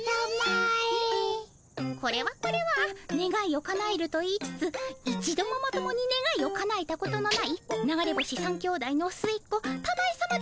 これはこれはねがいをかなえると言いつつ一度もまともにねがいをかなえたことのない流れ星３兄弟のすえっ子たまえさまではございませんか。